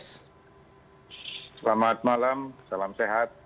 selamat malam salam sehat